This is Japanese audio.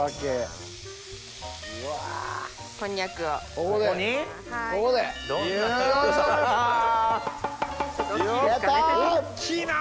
大きいな。